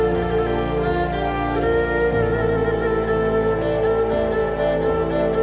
สวัสดีครับสวัสดีครับ